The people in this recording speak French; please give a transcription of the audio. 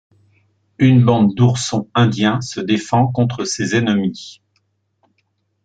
Une bande d'oursons indiens se défend contre ses ennemis.